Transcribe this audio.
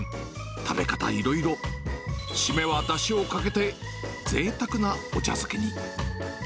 食べ方いろいろ、締めはだしをかけて、ぜいたくなお茶漬けに。